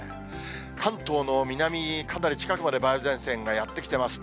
関東の南、かなり近くまで梅雨前線がやって来ています。